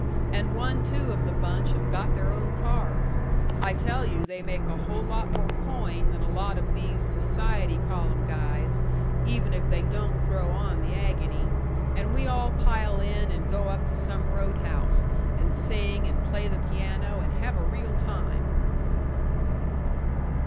And one two of the bunch have got their own cars I tell you they make a whole lot more coin than a lot of these society column guys, even if they don't throw on the agony; and we all pile in and go up to some road house, and sing, and play the piano, and have a real time."